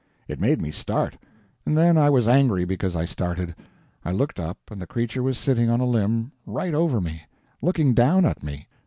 It made me start; and then I was angry because I started. I looked up, and the creature was sitting on a limb right over me, looking down at me.